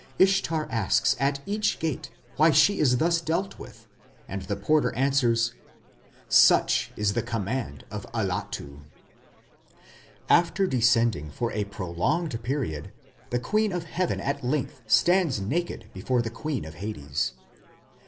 Ishtar asks at each gate why she is thus dealt with, and the porter answers, "Such is the command of Allatu." After descending for a prolonged period the Queen of Heaven at length stands naked before the Queen of Hades.